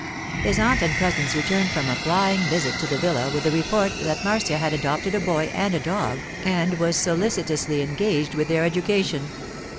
His aunt and cousins returned from a flying visit to the villa, with the report that Marcia had adopted a boy and a dog and was solicitously engaged with their education.